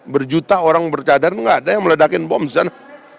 berjuta orang berkadar nggak ada yang meledakin bom di sana